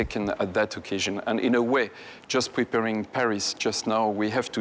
คุณภาพธรรมดาเป็นสิ่งที่สงสัย